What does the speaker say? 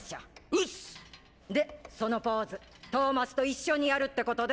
ウッス！でそのポーズトーマスと一緒にやるってことでいいのよね？